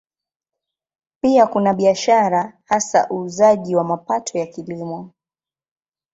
Pia kuna biashara, hasa uuzaji wa mapato ya Kilimo.